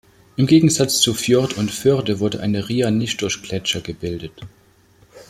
Im Gegensatz zu Fjord und Förde wurde eine Ria nicht durch Gletscher gebildet.